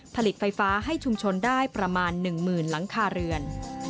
ผลิตไฟฟ้าให้ชุมชนได้ประมาณ๑๐๐๐หลังคาเรือน